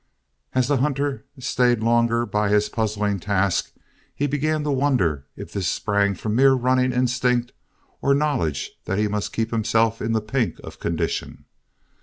As the hunter stayed longer by his puzzling task, he began to wonder if this sprang from mere running instinct, or knowledge that he must keep himself in the pink of condition.